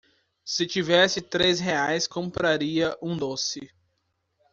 se tivesse três reais compraria um doce